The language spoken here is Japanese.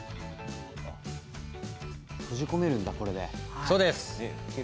閉じ込めるんだ、これで。